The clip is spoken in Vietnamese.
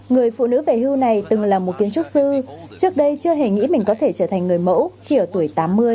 người phụ nữ về hưu này từng là một kiến trúc sư trước đây chưa hề nghĩ mình có thể trở thành người mẫu khi ở tuổi tám mươi